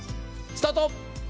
スタート！